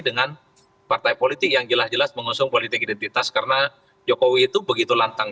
dengan partai politik yang jelas jelas mengusung politik identitas karena jokowi itu begitu lantang